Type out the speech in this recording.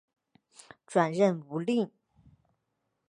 转任吴令。